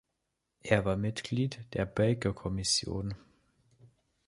Er war Mitglied der Baker-Kommission.